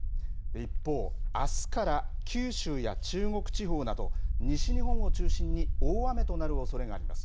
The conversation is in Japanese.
一方、あすから九州や中国地方など西日本を中心に大雨となるおそれがあります。